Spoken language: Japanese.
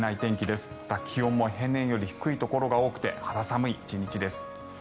また気温も平年より低いところが多くて肌寒い１日です。